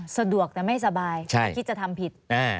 สะดวกแต่ไม่สบายไม่คิดจะทำผิด